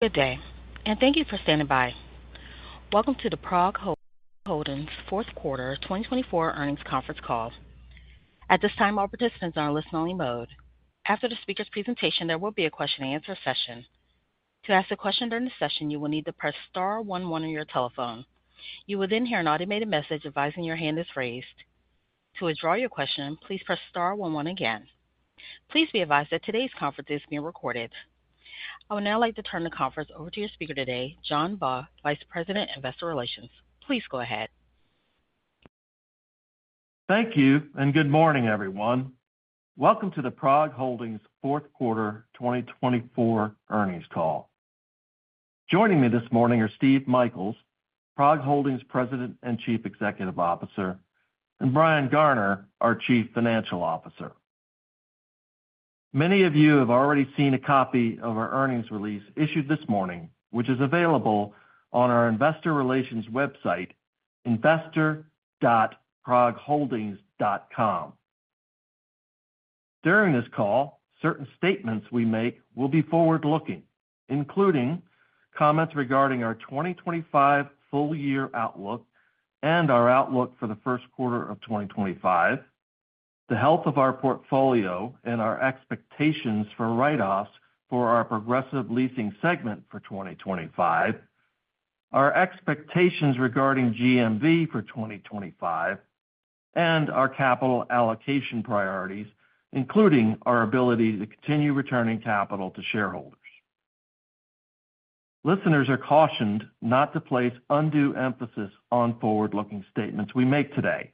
Good day, and thank you for standing by. Welcome to the PROG Holdings Fourth Quarter 2024 Earnings Conference Call. At this time, all participants are in listen-only mode. After the speaker's presentation, there will be a question-and-answer session. To ask a question during the session, you will need to press star 11 on your telephone. You will then hear an automated message advising your hand is raised. To withdraw your question, please press star 11 again. Please be advised that today's conference is being recorded. I would now like to turn the conference over to your speaker today, John Baugh, Vice President, Investor Relations. Please go ahead. Thank you, and good morning, everyone. Welcome to the PROG Holdings Fourth Quarter 2024 Earnings Call. Joining me this morning are Steve Michaels, PROG Holdings President and Chief Executive Officer, and Brian Garner, our Chief Financial Officer. Many of you have already seen a copy of our earnings release issued this morning, which is available on our investor relations website, investor.progholdings.com. During this call, certain statements we make will be forward-looking, including comments regarding our 2025 full-year outlook and our outlook for the first quarter of 2025, the health of our portfolio and our expectations for write-offs for our Progressive Leasing segment for 2025, our expectations regarding GMV for 2025, and our capital allocation priorities, including our ability to continue returning capital to shareholders. Listeners are cautioned not to place undue emphasis on forward-looking statements we make today,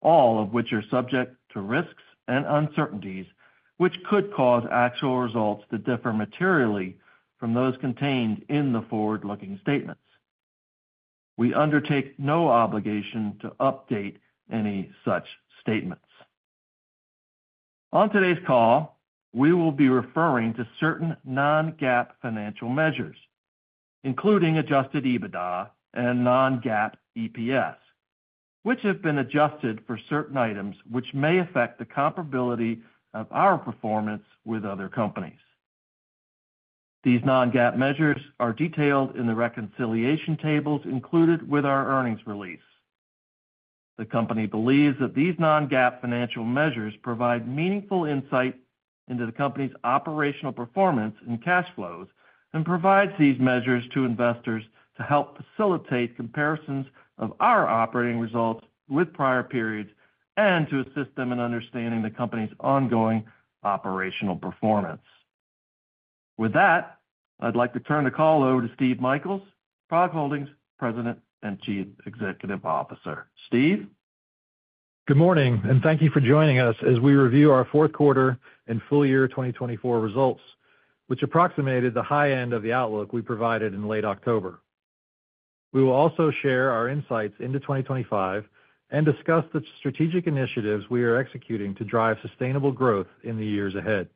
all of which are subject to risks and uncertainties which could cause actual results to differ materially from those contained in the forward-looking statements. We undertake no obligation to update any such statements. On today's call, we will be referring to certain non-GAAP financial measures, including Adjusted EBITDA and non-GAAP EPS, which have been adjusted for certain items which may affect the comparability of our performance with other companies. These non-GAAP measures are detailed in the reconciliation tables included with our earnings release. The company believes that these non-GAAP financial measures provide meaningful insight into the company's operational performance and cash flows and provides these measures to investors to help facilitate comparisons of our operating results with prior periods and to assist them in understanding the company's ongoing operational performance. With that, I'd like to turn the call over to Steve Michaels, PROG Holdings President and Chief Executive Officer. Steve? Good morning, and thank you for joining us as we review our fourth quarter and full-year 2024 results, which approximated the high end of the outlook we provided in late October. We will also share our insights into 2025 and discuss the strategic initiatives we are executing to drive sustainable growth in the years ahead.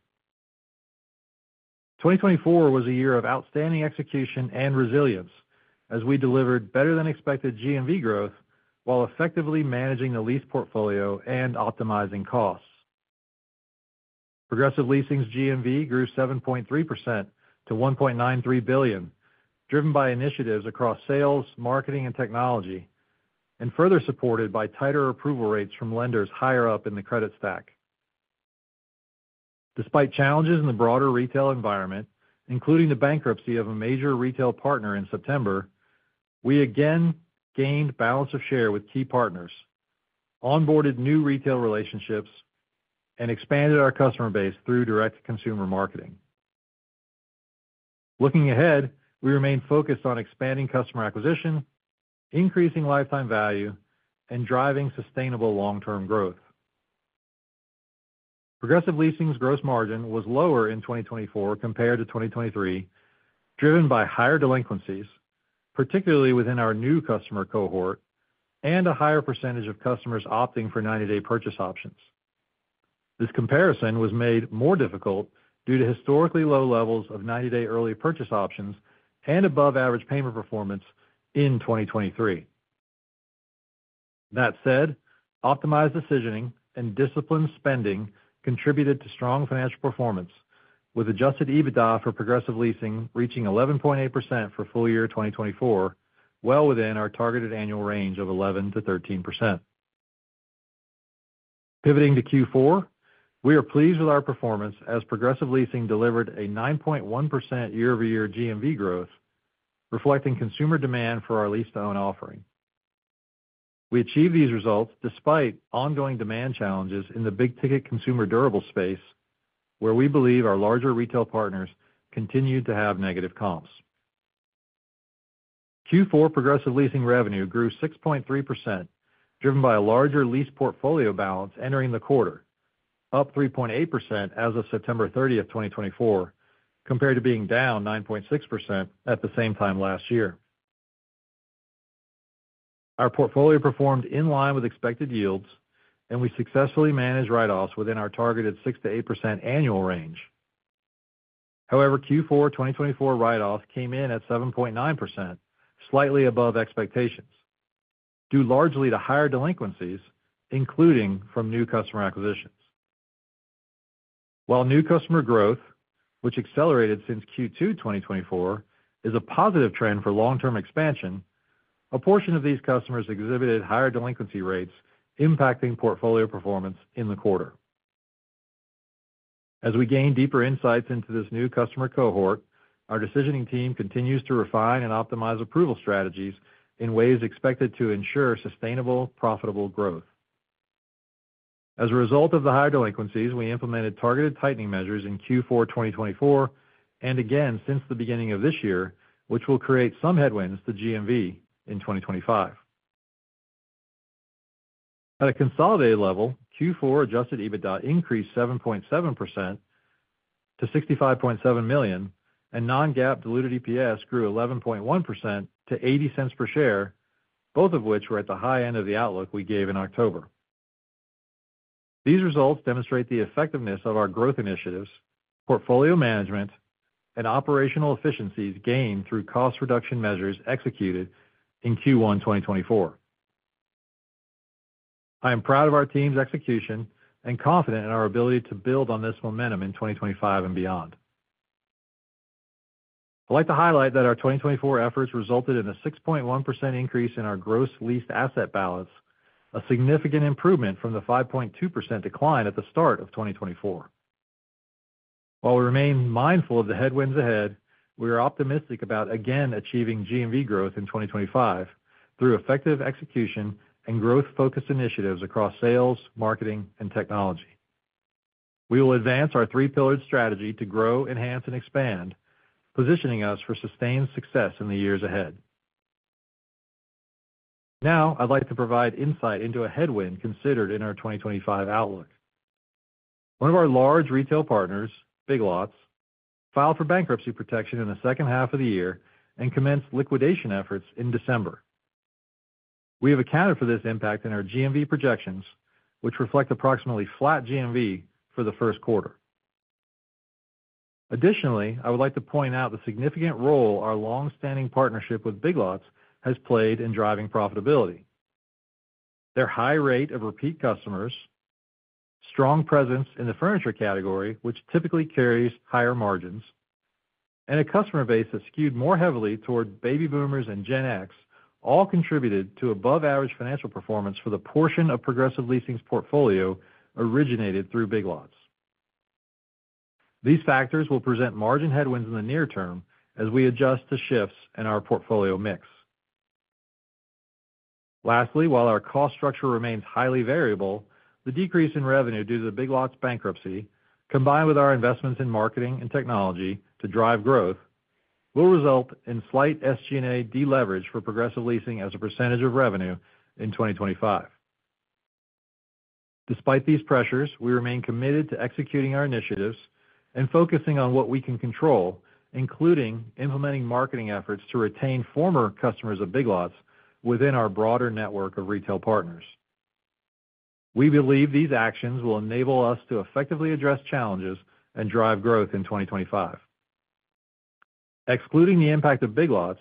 2024 was a year of outstanding execution and resilience as we delivered better-than-expected GMV growth while effectively managing the lease portfolio and optimizing costs. Progressive Leasing's GMV grew 7.3% to $1.93 billion, driven by initiatives across sales, marketing, and technology, and further supported by tighter approval rates from lenders higher up in the credit stack. Despite challenges in the broader retail environment, including the bankruptcy of a major retail partner in September, we again gained balance of share with key partners, onboarded new retail relationships, and expanded our customer base through direct-to-consumer marketing. Looking ahead, we remain focused on expanding customer acquisition, increasing lifetime value, and driving sustainable long-term growth. Progressive Leasing's gross margin was lower in 2024 compared to 2023, driven by higher delinquencies, particularly within our new customer cohort, and a higher percentage of customers opting for 90-day purchase options. This comparison was made more difficult due to historically low levels of 90-day early purchase options and above-average payment performance in 2023. That said, optimized decisioning and disciplined spending contributed to strong financial performance, with Adjusted EBITDA for Progressive Leasing reaching 11.8% for full-year 2024, well within our targeted annual range of 11%-13%. Pivoting to Q4, we are pleased with our performance as Progressive Leasing delivered a 9.1% year-over-year GMV growth, reflecting consumer demand for our lease-to-own offering. We achieved these results despite ongoing demand challenges in the big-ticket consumer durable space, where we believe our larger retail partners continued to have negative comps. Q4 Progressive Leasing revenue grew 6.3%, driven by a larger lease portfolio balance entering the quarter, up 3.8% as of September 30, 2024, compared to being down 9.6% at the same time last year. Our portfolio performed in line with expected yields, and we successfully managed write-offs within our targeted 6%-8% annual range. However, Q4 2024 write-offs came in at 7.9%, slightly above expectations, due largely to higher delinquencies, including from new customer acquisitions. While new customer growth, which accelerated since Q2 2024, is a positive trend for long-term expansion, a portion of these customers exhibited higher delinquency rates, impacting portfolio performance in the quarter. As we gain deeper insights into this new customer cohort, our decisioning team continues to refine and optimize approval strategies in ways expected to ensure sustainable, profitable growth. As a result of the higher delinquencies, we implemented targeted tightening measures in Q4 2024 and again since the beginning of this year, which will create some headwinds to GMV in 2025. At a consolidated level, Q4 adjusted EBITDA increased 7.7% to $65.7 million, and non-GAAP diluted EPS grew 11.1% to $0.80 per share, both of which were at the high end of the outlook we gave in October. These results demonstrate the effectiveness of our growth initiatives, portfolio management, and operational efficiencies gained through cost-reduction measures executed in Q1 2024. I am proud of our team's execution and confident in our ability to build on this momentum in 2025 and beyond. I'd like to highlight that our 2024 efforts resulted in a 6.1% increase in our gross leased asset balance, a significant improvement from the 5.2% decline at the start of 2024. While we remain mindful of the headwinds ahead, we are optimistic about again achieving GMV growth in 2025 through effective execution and growth-focused initiatives across sales, marketing, and technology. We will advance our three-pillared strategy to grow, enhance, and expand, positioning us for sustained success in the years ahead. Now, I'd like to provide insight into a headwind considered in our 2025 outlook. One of our large retail partners, Big Lots, filed for bankruptcy protection in the second half of the year and commenced liquidation efforts in December. We have accounted for this impact in our GMV projections, which reflect approximately flat GMV for the first quarter. Additionally, I would like to point out the significant role our long-standing partnership with Big Lots has played in driving profitability. Their high rate of repeat customers, strong presence in the furniture category, which typically carries higher margins, and a customer base that skewed more heavily toward baby boomers and Gen X all contributed to above-average financial performance for the portion of Progressive Leasing's portfolio originated through Big Lots. These factors will present margin headwinds in the near term as we adjust to shifts in our portfolio mix. Lastly, while our cost structure remains highly variable, the decrease in revenue due to the Big Lots bankruptcy, combined with our investments in marketing and technology to drive growth, will result in slight SG&A deleverage for Progressive Leasing as a percentage of revenue in 2025. Despite these pressures, we remain committed to executing our initiatives and focusing on what we can control, including implementing marketing efforts to retain former customers of Big Lots within our broader network of retail partners. We believe these actions will enable us to effectively address challenges and drive growth in 2025. Excluding the impact of Big Lots,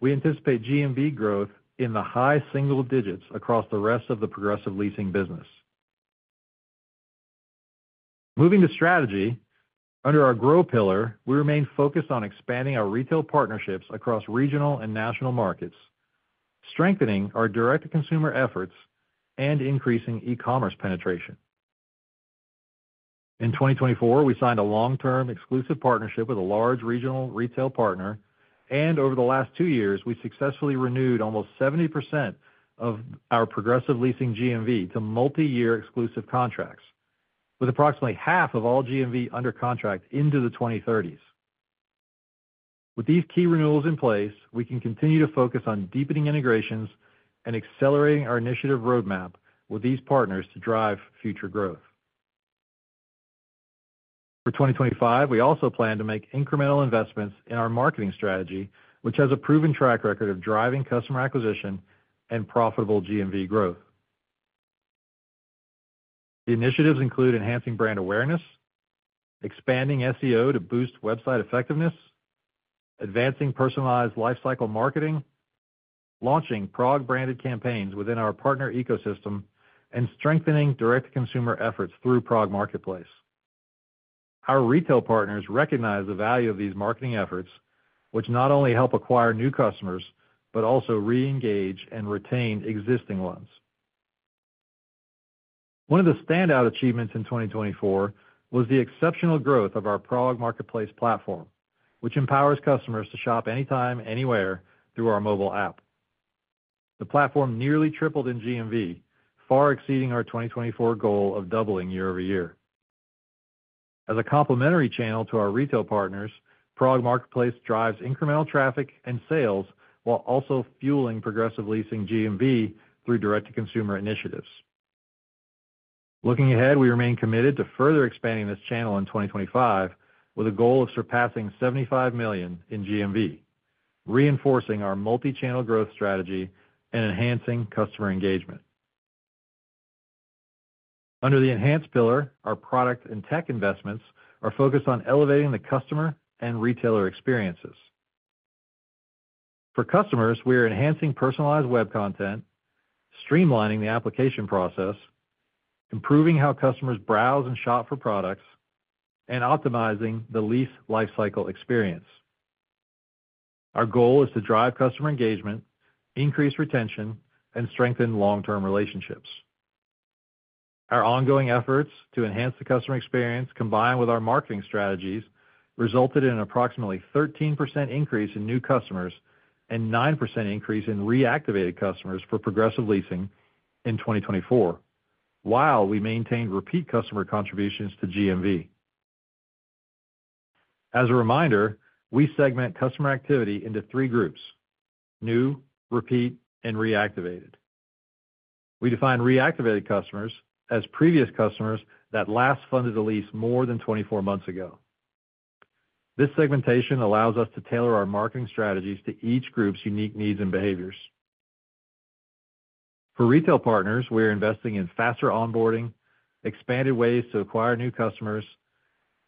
we anticipate GMV growth in the high single digits across the rest of the Progressive Leasing business. Moving to strategy, under our GROW pillar, we remain focused on expanding our retail partnerships across regional and national markets, strengthening our direct-to-consumer efforts, and increasing e-commerce penetration. In 2024, we signed a long-term exclusive partnership with a large regional retail partner, and over the last two years, we successfully renewed almost 70% of our Progressive Leasing GMV to multi-year exclusive contracts, with approximately half of all GMV under contract into the 2030s. With these key renewals in place, we can continue to focus on deepening integrations and accelerating our initiative roadmap with these partners to drive future growth. For 2025, we also plan to make incremental investments in our marketing strategy, which has a proven track record of driving customer acquisition and profitable GMV growth. The initiatives include enhancing brand awareness, expanding SEO to boost website effectiveness, advancing personalized lifecycle marketing, launching PROG-branded campaigns within our partner ecosystem, and strengthening direct-to-consumer efforts through PROG Marketplace. Our retail partners recognize the value of these marketing efforts, which not only help acquire new customers but also re-engage and retain existing ones. One of the standout achievements in 2024 was the exceptional growth of our PROG Marketplace platform, which empowers customers to shop anytime, anywhere through our mobile app. The platform nearly tripled in GMV, far exceeding our 2024 goal of doubling year-over-year. As a complementary channel to our retail partners, PROG Marketplace drives incremental traffic and sales while also fueling Progressive Leasing GMV through direct-to-consumer initiatives. Looking ahead, we remain committed to further expanding this channel in 2025 with a goal of surpassing $75 million in GMV, reinforcing our multi-channel growth strategy and enhancing customer engagement. Under the Enhance pillar, our product and tech investments are focused on elevating the customer and retailer experiences. For customers, we are enhancing personalized web content, streamlining the application process, improving how customers browse and shop for products, and optimizing the lease lifecycle experience. Our goal is to drive customer engagement, increase retention, and strengthen long-term relationships. Our ongoing efforts to enhance the customer experience, combined with our marketing strategies, resulted in an approximately 13% increase in new customers and a nine% increase in reactivated customers for Progressive Leasing in 2024, while we maintained repeat customer contributions to GMV. As a reminder, we segment customer activity into three groups: new, repeat, and reactivated. We define reactivated customers as previous customers that last funded a lease more than 24 months ago. This segmentation allows us to tailor our marketing strategies to each group's unique needs and behaviors. For retail partners, we are investing in faster onboarding, expanded ways to acquire new customers,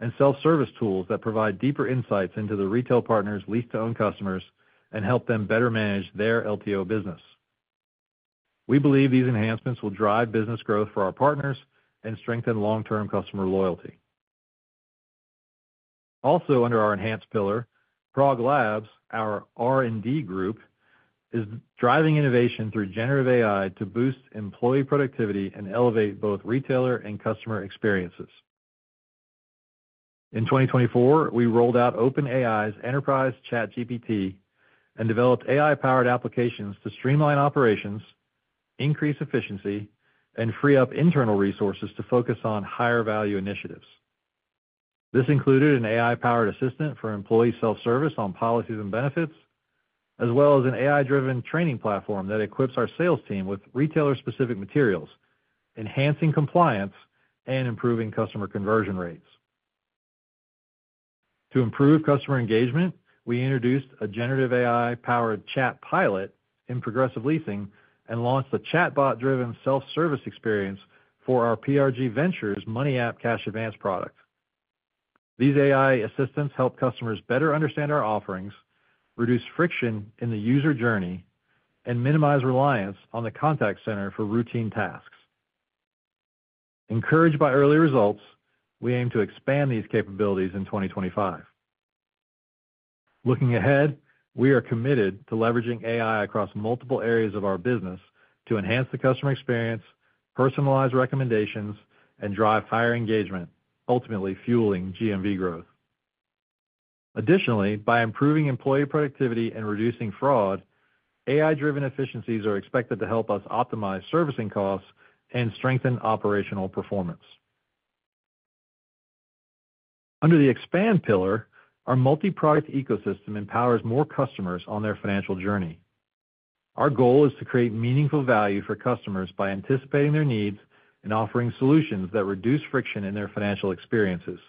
and self-service tools that provide deeper insights into the retail partner's lease-to-own customers and help them better manage their LTO business. We believe these enhancements will drive business growth for our partners and strengthen long-term customer loyalty. Also, under our Enhance pillar, PROG Labs, our R&D group, is driving innovation through generative AI to boost employee productivity and elevate both retailer and customer experiences. In 2024, we rolled out OpenAI's Enterprise ChatGPT and developed AI-powered applications to streamline operations, increase efficiency, and free up internal resources to focus on higher-value initiatives. This included an AI-powered assistant for employee self-service on policies and benefits, as well as an AI-driven training platform that equips our sales team with retailer-specific materials, enhancing compliance and improving customer conversion rates. To improve customer engagement, we introduced a generative AI-powered chat pilot in Progressive Leasing and launched a chatbot-driven self-service experience for our PRG Ventures Money App Cash Advance product. These AI assistants help customers better understand our offerings, reduce friction in the user journey, and minimize reliance on the contact center for routine tasks. Encouraged by early results, we aim to expand these capabilities in 2025. Looking ahead, we are committed to leveraging AI across multiple areas of our business to enhance the customer experience, personalize recommendations, and drive higher engagement, ultimately fueling GMV growth. Additionally, by improving employee productivity and reducing fraud, AI-driven efficiencies are expected to help us optimize servicing costs and strengthen operational performance. Under the Expand pillar, our multi-product ecosystem empowers more customers on their financial journey. Our goal is to create meaningful value for customers by anticipating their needs and offering solutions that reduce friction in their financial experiences.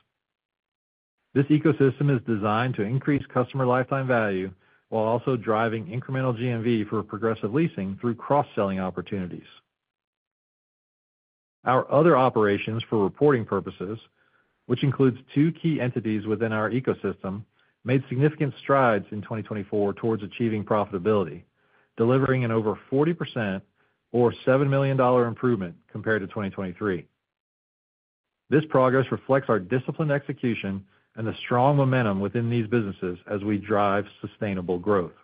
This ecosystem is designed to increase customer lifetime value while also driving incremental GMV for Progressive Leasing through cross-selling opportunities. Our other operations for reporting purposes, which includes two key entities within our ecosystem, made significant strides in 2024 towards achieving profitability, delivering an over 40% or $7 million improvement compared to 2023. This progress reflects our disciplined execution and the strong momentum within these businesses as we drive sustainable growth.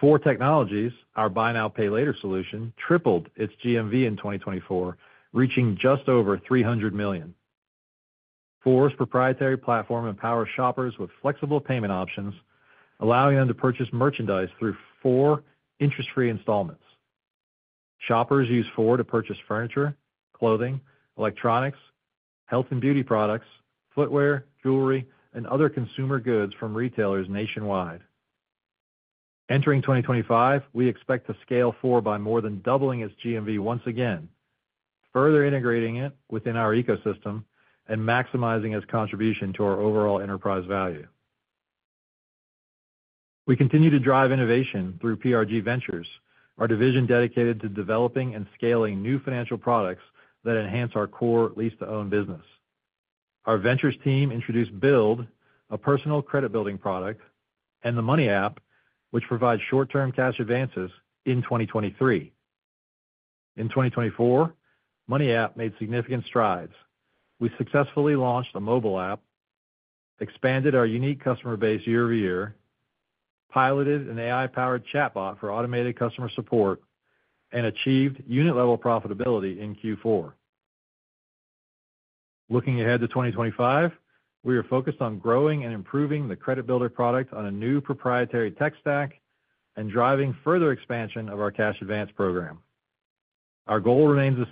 Four Technologies, our Buy Now Pay Later solution tripled its GMV in 2024, reaching just over $300 million. Four's proprietary platform empowers shoppers with flexible payment options, allowing them to purchase merchandise through four interest-free installments. Shoppers use Four to purchase furniture, clothing, electronics, health and beauty products, footwear, jewelry, and other consumer goods from retailers nationwide. Entering 2025, we expect to scale Four by more than doubling its GMV once again, further integrating it within our ecosystem and maximizing its contribution to our overall enterprise value. We continue to drive innovation through PRG Ventures, our division dedicated to developing and scaling new financial products that enhance our core lease-to-own business. Our Ventures team introduced Build, a personal credit-building product, and the Money App, which provides short-term cash advances in 2023. In 2024, Money App made significant strides. We successfully launched a mobile app, expanded our unique customer base year-over-year, piloted an AI-powered chatbot for automated customer support, and achieved unit-level profitability in Q4. Looking ahead to 2025, we are focused on growing and improving the credit-builder product on a new proprietary tech stack and driving further expansion of our Cash Advance program. Our goal remains the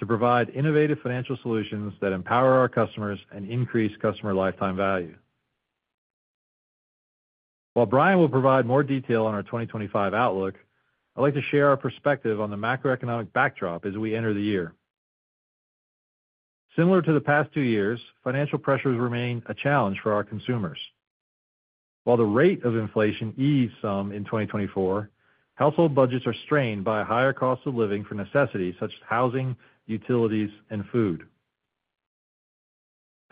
same: to provide innovative financial solutions that empower our customers and increase customer lifetime value. While Brian will provide more detail on our 2025 outlook, I'd like to share our perspective on the macroeconomic backdrop as we enter the year. Similar to the past two years, financial pressures remain a challenge for our consumers. While the rate of inflation eased some in 2024, household budgets are strained by a higher cost of living for necessities such as housing, utilities, and food.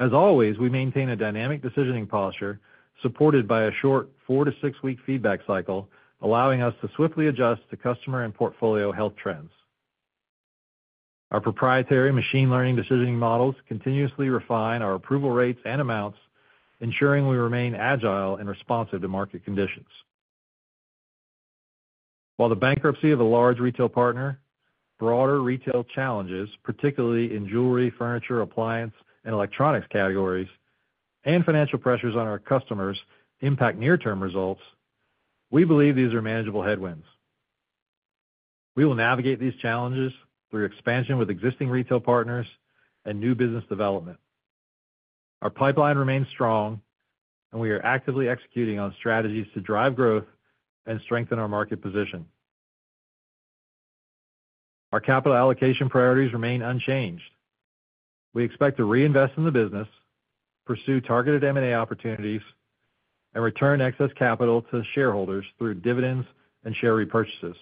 As always, we maintain a dynamic decisioning posture supported by a short four-to-six-week feedback cycle, allowing us to swiftly adjust to customer and portfolio health trends. Our proprietary machine learning decisioning models continuously refine our approval rates and amounts, ensuring we remain agile and responsive to market conditions. While the bankruptcy of a large retail partner, broader retail challenges, particularly in jewelry, furniture, appliance, and electronics categories, and financial pressures on our customers impact near-term results, we believe these are manageable headwinds. We will navigate these challenges through expansion with existing retail partners and new business development. Our pipeline remains strong, and we are actively executing on strategies to drive growth and strengthen our market position. Our capital allocation priorities remain unchanged. We expect to reinvest in the business, pursue targeted M&A opportunities, and return excess capital to shareholders through dividends and share repurchases.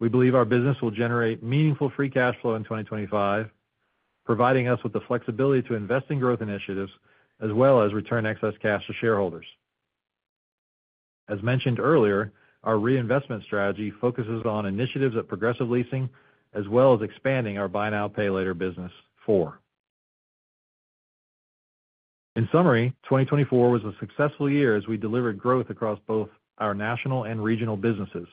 We believe our business will generate meaningful free cash flow in 2025, providing us with the flexibility to invest in growth initiatives as well as return excess cash to shareholders. As mentioned earlier, our reinvestment strategy focuses on initiatives at Progressive Leasing as well as expanding our Buy Now Pay Later business for. In summary, 2024 was a successful year as we delivered growth across both our national and regional businesses.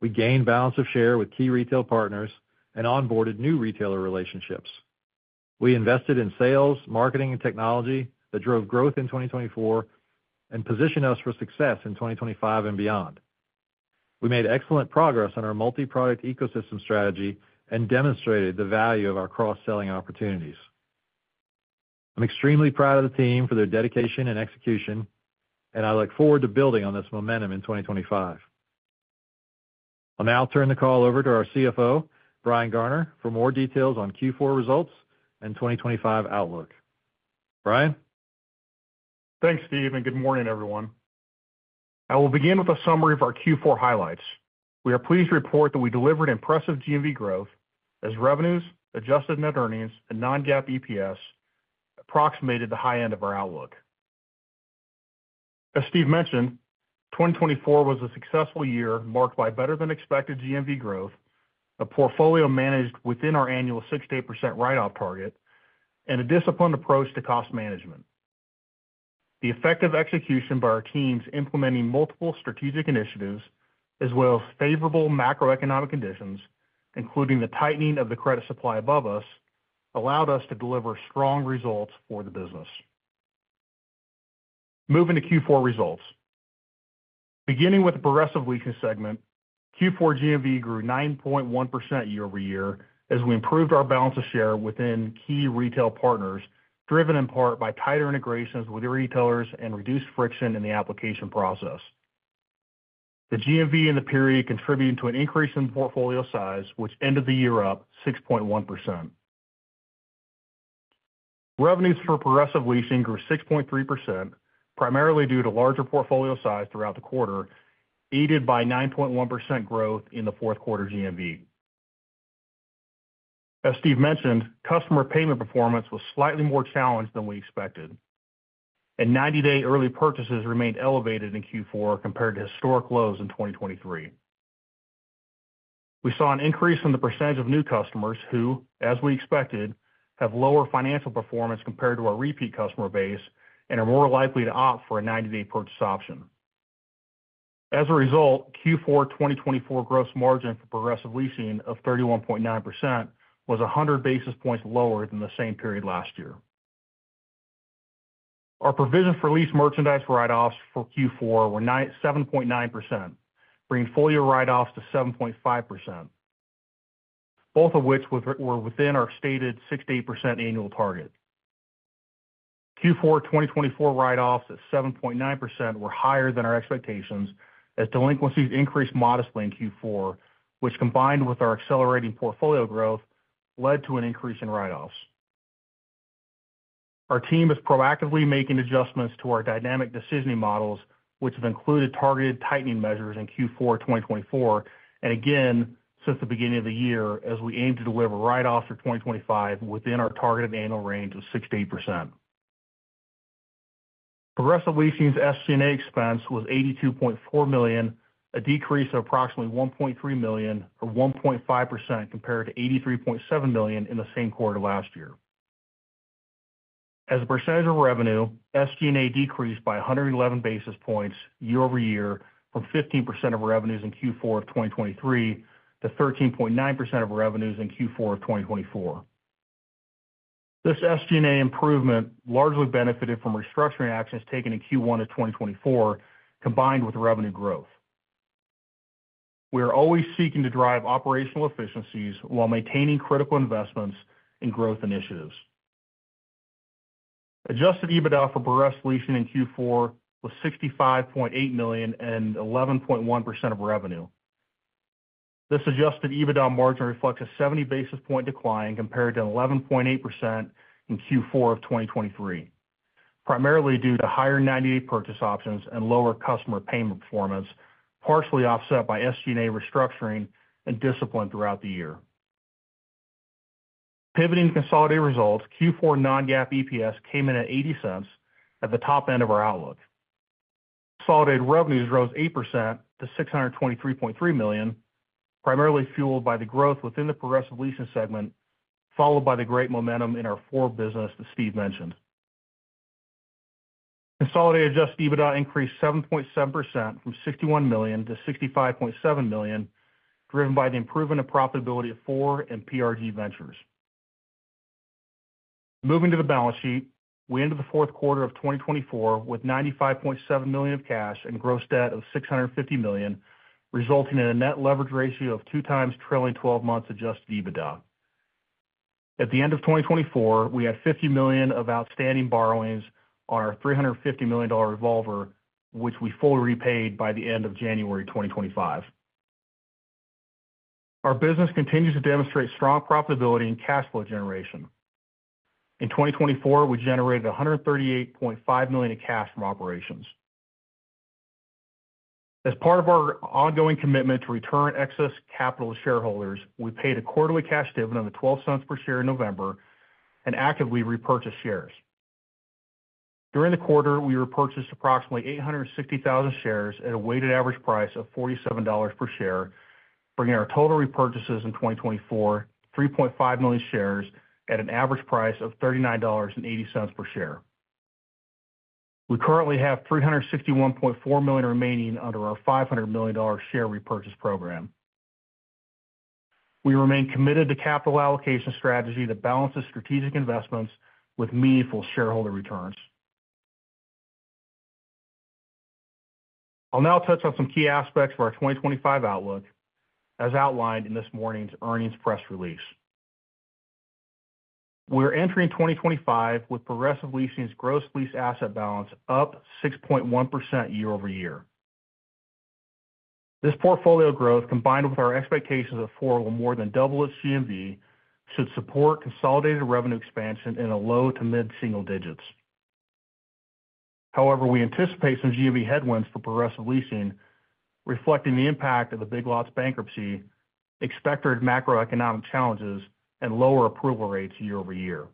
We gained balance of share with key retail partners and onboarded new retailer relationships. We invested in sales, marketing, and technology that drove growth in 2024 and positioned us for success in 2025 and beyond. We made excellent progress on our multi-product ecosystem strategy and demonstrated the value of our cross-selling opportunities. I'm extremely proud of the team for their dedication and execution, and I look forward to building on this momentum in 2025. I'll now turn the call over to our CFO, Brian Garner, for more details on Q4 results and 2025 outlook. Brian? Thanks, Steve, and good morning, everyone. I will begin with a summary of our Q4 highlights. We are pleased to report that we delivered impressive GMV growth as revenues, adjusted net earnings, and non-GAAP EPS approximated the high end of our outlook. As Steve mentioned, 2024 was a successful year marked by better-than-expected GMV growth, a portfolio managed within our annual 68% write-off target, and a disciplined approach to cost management. The effective execution by our teams implementing multiple strategic initiatives as well as favorable macroeconomic conditions, including the tightening of the credit supply above us, allowed us to deliver strong results for the business. Moving to Q4 results. Beginning with the Progressive Leasing segment, Q4 GMV grew 9.1% year-over-year as we improved our balance of share within key retail partners, driven in part by tighter integrations with retailers and reduced friction in the application process. The GMV in the period contributed to an increase in portfolio size, which ended the year up 6.1%. Revenues for Progressive Leasing grew 6.3%, primarily due to larger portfolio size throughout the quarter, aided by 9.1% growth in the fourth quarter GMV. As Steve mentioned, customer payment performance was slightly more challenged than we expected, and 90-day early purchases remained elevated in Q4 compared to historic lows in 2023. We saw an increase in the percentage of new customers who, as we expected, have lower financial performance compared to our repeat customer base and are more likely to opt for a 90-day purchase option. As a result, Q4 2024 gross margin for Progressive Leasing of 31.9% was 100 basis points lower than the same period last year. Our provision for lease merchandise write-offs for Q4 were 7.9%, bringing full-year write-offs to 7.5%, both of which were within our stated 7-8% annual target. Q4 2024 write-offs at 7.9% were higher than our expectations as delinquencies increased modestly in Q4, which, combined with our accelerating portfolio growth, led to an increase in write-offs. Our team is proactively making adjustments to our dynamic decisioning models, which have included targeted tightening measures in Q4 2024 and again since the beginning of the year as we aim to deliver write-offs for 2025 within our targeted annual range of 68%. Progressive Leasing's SG&A expense was $82.4 million, a decrease of approximately $1.3 million or 1.5% compared to $83.7 million in the same quarter last year. As a percentage of revenue, SG&A decreased by 111 basis points year-over-year from 15% of revenues in Q4 of 2023 to 13.9% of revenues in Q4 of 2024. This SG&A improvement largely benefited from restructuring actions taken in Q1 of 2024, combined with revenue growth. We are always seeking to drive operational efficiencies while maintaining critical investments in growth initiatives. Adjusted EBITDA for Progressive Leasing in Q4 was $65.8 million and 11.1% of revenue. This adjusted EBITDA margin reflects a 70 basis point decline compared to 11.8% in Q4 of 2023, primarily due to higher 90-day purchase options and lower customer payment performance, partially offset by SG&A restructuring and discipline throughout the year. Pivoting to consolidated results, Q4 non-GAAP EPS came in at $0.80 at the top end of our outlook. Consolidated revenues rose 8% to $623.3 million, primarily fueled by the growth within the Progressive Leasing segment, followed by the great momentum in our Four business that Steve mentioned. Consolidated adjusted EBITDA increased 7.7% from $61 million to $65.7 million, driven by the improvement of profitability of Four and PRG Ventures. Moving to the balance sheet, we entered the fourth quarter of 2024 with $95.7 million of cash and gross debt of $650 million, resulting in a net leverage ratio of 2 times trailing 12 months adjusted EBITDA. At the end of 2024, we had $50 million of outstanding borrowings on our $350 million revolver, which we fully repaid by the end of January 2025. Our business continues to demonstrate strong profitability in cash flow generation. In 2024, we generated $138.5 million in cash from operations. As part of our ongoing commitment to return excess capital to shareholders, we paid a quarterly cash dividend of $0.12 per share in November and actively repurchased shares. During the quarter, we repurchased approximately 860,000 shares at a weighted average price of $47 per share, bringing our total repurchases in 2024 to 3.5 million shares at an average price of $39.80 per share. We currently have $361.4 million remaining under our $500 million share repurchase program. We remain committed to capital allocation strategy that balances strategic investments with meaningful shareholder returns. I'll now touch on some key aspects of our 2025 outlook, as outlined in this morning's earnings press release. We are entering 2025 with Progressive Leasing's gross leased asset balance up 6.1% year-over-year. This portfolio growth, combined with our expectations that Four will more than double its GMV, should support consolidated revenue expansion in the low to mid-single digits. However, we anticipate some GMV headwinds for Progressive Leasing, reflecting the impact of the Big Lots' bankruptcy, expected macroeconomic challenges, and lower approval rates year-over-year.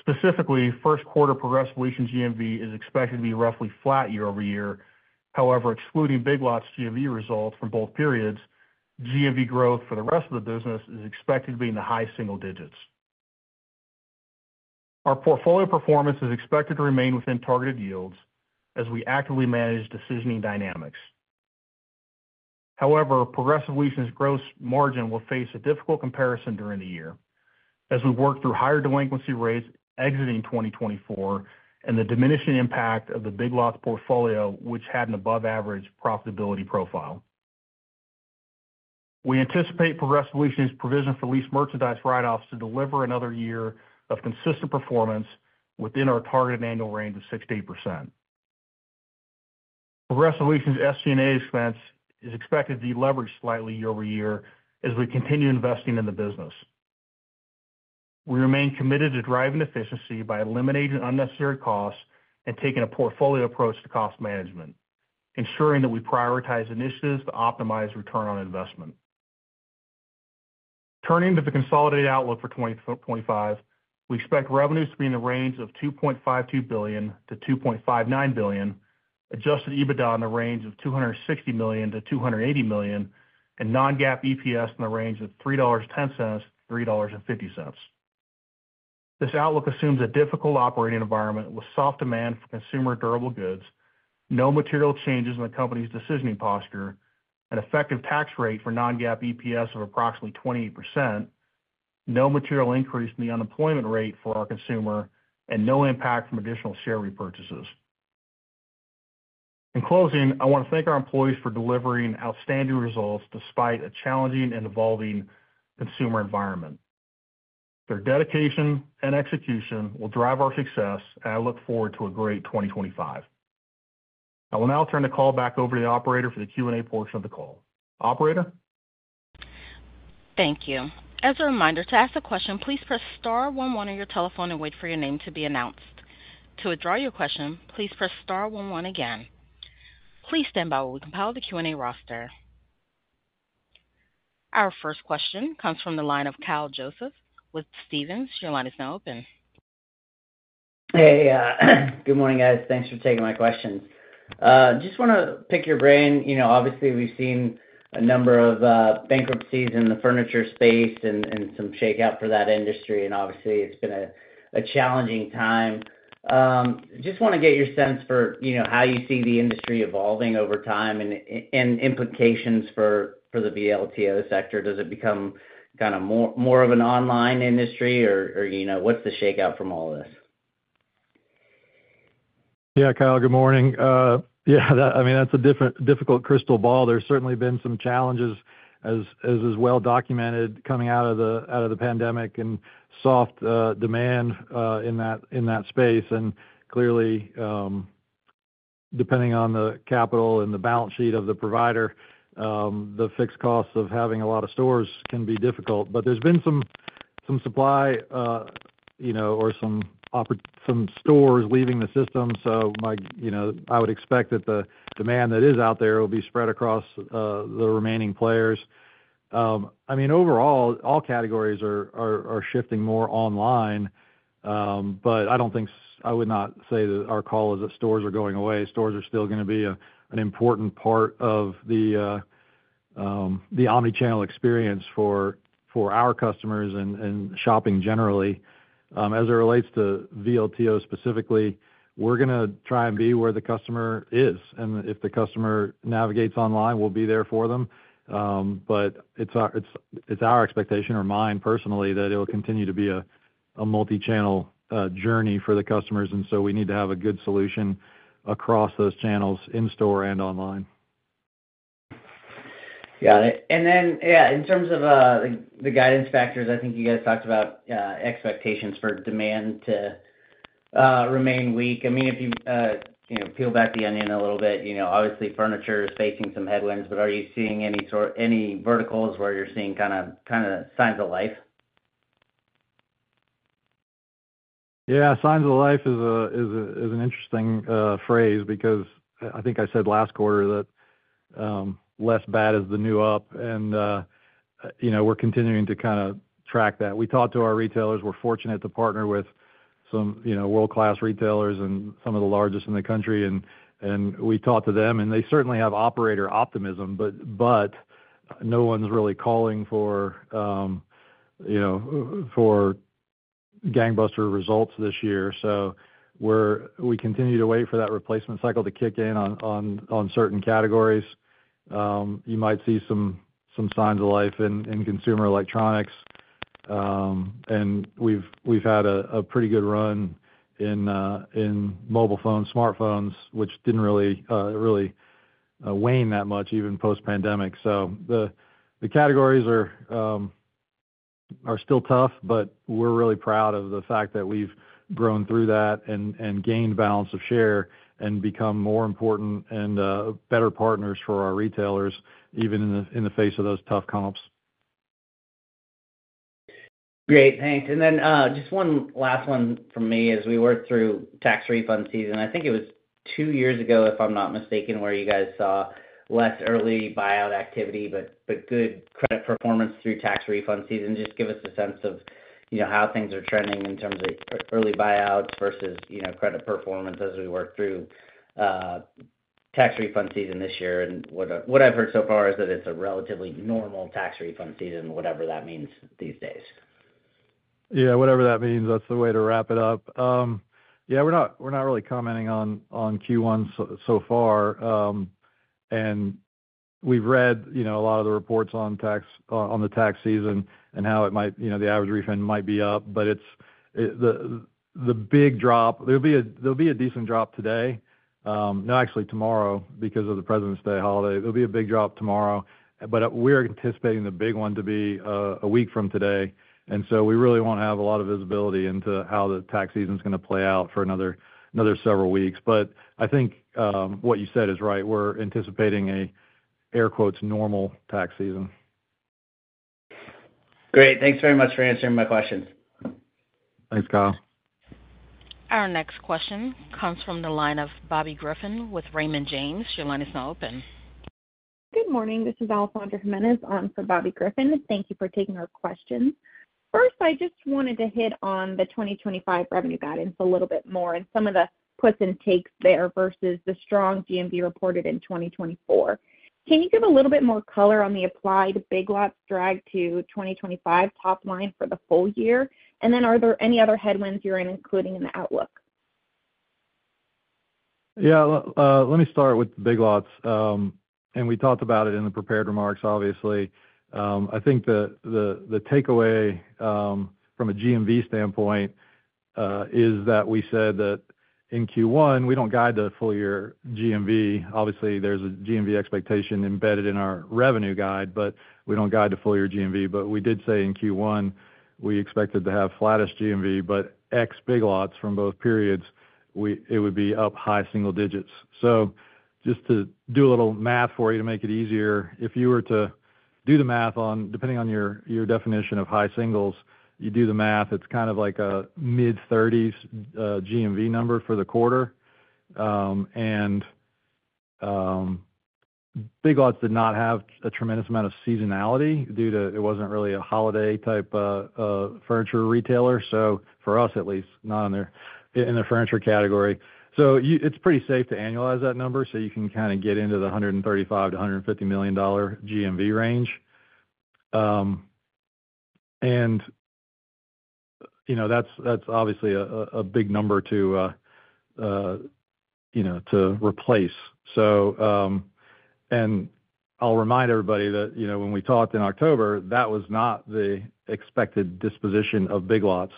Specifically, first quarter Progressive Leasing GMV is expected to be roughly flat year-over-year. However, excluding Big Lots' GMV results from both periods, GMV growth for the rest of the business is expected to be in the high single digits. Our portfolio performance is expected to remain within targeted yields as we actively manage decisioning dynamics. However, Progressive Leasing's gross margin will face a difficult comparison during the year as we work through higher delinquency rates exiting 2024 and the diminishing impact of the Big Lots portfolio, which had an above-average profitability profile. We anticipate Progressive Leasing's provision for lease merchandise write-offs to deliver another year of consistent performance within our targeted annual range of 68%. Progressive Leasing's SG&A expense is expected to be leveraged slightly year-over-year as we continue investing in the business. We remain committed to driving efficiency by eliminating unnecessary costs and taking a portfolio approach to cost management, ensuring that we prioritize initiatives to optimize return on investment. Turning to the consolidated outlook for 2025, we expect revenues to be in the range of $2.52 billion-$2.59 billion, adjusted EBITDA in the range of $260 million-$280 million, and non-GAAP EPS in the range of $3.10-$3.50. This outlook assumes a difficult operating environment with soft demand for consumer durable goods, no material changes in the company's decisioning posture, an effective tax rate for Non-GAAP EPS of approximately 28%, no material increase in the unemployment rate for our consumer, and no impact from additional share repurchases. In closing, I want to thank our employees for delivering outstanding results despite a challenging and evolving consumer environment. Their dedication and execution will drive our success, and I look forward to a great 2025. I will now turn the call back over to the operator for the Q&A portion of the call. Operator? Thank you. As a reminder, to ask a question, please press star 11 on your telephone and wait for your name to be announced. To withdraw your question, please press star 11 again. Please stand by while we compile the Q&A roster. Our first question comes from the line of Kyle Joseph with Stephens. Your line is now open. Hey, good morning, guys. Thanks for taking my questions. Just want to pick your brain. Obviously, we've seen a number of bankruptcies in the furniture space and some shakeout for that industry, and obviously, it's been a challenging time. Just want to get your sense for how you see the industry evolving over time and implications for the VLTO sector. Does it become kind of more of an online industry, or what's the shakeout from all of this? Yeah, Kyle, good morning. Yeah, I mean, that's a difficult crystal ball. There's certainly been some challenges, as is well documented, coming out of the pandemic and soft demand in that space. Clearly, depending on the capital and the balance sheet of the provider, the fixed costs of having a lot of stores can be difficult. There's been some supply or some stores leaving the system. I would expect that the demand that is out there will be spread across the remaining players. I mean, overall, all categories are shifting more online, but I would not say that our call is that stores are going away. Stores are still going to be an important part of the omnichannel experience for our customers and shopping generally. As it relates to VLTO specifically, we're going to try and be where the customer is. If the customer navigates online, we'll be there for them. It's our expectation, or mine personally, that it'll continue to be a multi-channel journey for the customers. And so we need to have a good solution across those channels in store and online. Got it. And then, yeah, in terms of the guidance factors, I think you guys talked about expectations for demand to remain weak. I mean, if you peel back the onion a little bit, obviously, furniture is facing some headwinds. But are you seeing any verticals where you're seeing kind of signs of life? Yeah, signs of life is an interesting phrase because I think I said last quarter that less bad is the new up. And we're continuing to kind of track that. We talked to our retailers. We're fortunate to partner with some world-class retailers and some of the largest in the country. And we talked to them, and they certainly have operator optimism, but no one's really calling for gangbuster results this year. So we continue to wait for that replacement cycle to kick in on certain categories. You might see some signs of life in consumer electronics. And we've had a pretty good run in mobile phones, smartphones, which didn't really wane that much, even post-pandemic. So the categories are still tough, but we're really proud of the fact that we've grown through that and gained balance of share and become more important and better partners for our retailers, even in the face of those tough comps. Great. Thanks. And then just one last one for me as we work through tax refund season. I think it was two years ago, if I'm not mistaken, where you guys saw less early buyout activity, but good credit performance through tax refund season. Just give us a sense of how things are trending in terms of early buyouts versus credit performance as we work through tax refund season this year. And what I've heard so far is that it's a relatively normal tax refund season, whatever that means these days. Yeah, whatever that means, that's the way to wrap it up. Yeah, we're not really commenting on Q1 so far. And we've read a lot of the reports on the tax season and how the average refund might be up. But the big drop, there'll be a decent drop today. No, actually tomorrow, because of the Presidents' Day holiday. There'll be a big drop tomorrow. But we're anticipating the big one to be a week from today. And so we really want to have a lot of visibility into how the tax season is going to play out for another several weeks. But I think what you said is right. We're anticipating a normal tax season. Great. Thanks very much for answering my questions. Thanks, Kyle. Our next question comes from the line of Bobby Griffin with Raymond James. Your line is now open. Good morning. This is Alessandra Jimenez for Bobby Griffin. Thank you for taking our questions. First, I just wanted to hit on the 2025 revenue guidance a little bit more and some of the puts and takes there versus the strong GMV reported in 2024. Can you give a little bit more color on the Big Lots drag to 2025 top line for the full year? And then are there any other headwinds you're including in the outlook? Yeah, let me start with the Big Lots. And we talked about it in the prepared remarks, obviously. I think the takeaway from a GMV standpoint is that we said that in Q1, we don't guide the full year GMV. Obviously, there's a GMV expectation embedded in our revenue guide, but we don't guide the full year GMV. But we did say in Q1, we expected to have flattest GMV, but ex-Big Lots from both periods, it would be up high single digits. So just to do a little math for you to make it easier, if you were to do the math on, depending on your definition of high singles, you do the math, it's kind of like a mid-30s GMV number for the quarter. And Big Lots did not have a tremendous amount of seasonality due to, it wasn't really a holiday-type furniture retailer. So for us, at least, not in the furniture category. So it's pretty safe to annualize that number so you can kind of get into the $135-$150 million GMV range. And that's obviously a big number to replace. And I'll remind everybody that when we talked in October, that was not the expected disposition of Big Lots.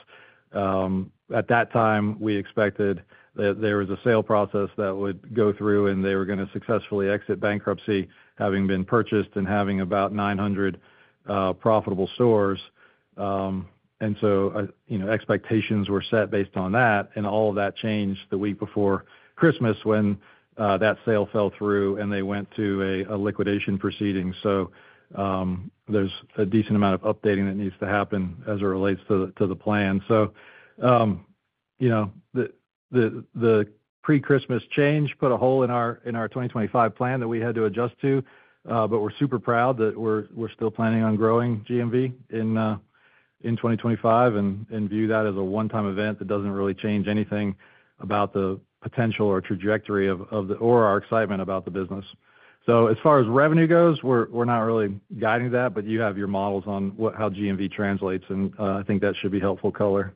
At that time, we expected that there was a sale process that would go through and they were going to successfully exit bankruptcy, having been purchased and having about 900 profitable stores. And so expectations were set based on that. And all of that changed the week before Christmas when that sale fell through and they went to a liquidation proceeding. So there's a decent amount of updating that needs to happen as it relates to the plan. So the pre-Christmas change put a hole in our 2025 plan that we had to adjust to. But we're super proud that we're still planning on growing GMV in 2025 and view that as a one-time event that doesn't really change anything about the potential or trajectory or our excitement about the business. So as far as revenue goes, we're not really guiding that, but you have your models on how GMV translates. And I think that should be helpful color.